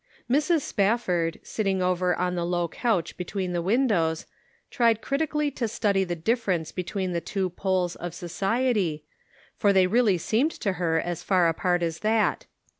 Mrs. Spafford, sitting over on the low couch between the windows, tried critically to study the difference between the two poles of society, for they really seemed to her as far apart as that.